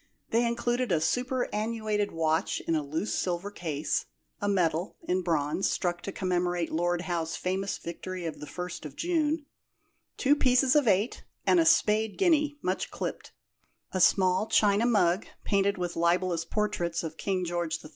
They included a superannuated watch in a loose silver case, a medal (in bronze) struck to commemorate Lord Howe's famous victory of the First of June, two pieces of eight and a spade guinea (much clipped); a small china mug painted with libellous portraits of King George III.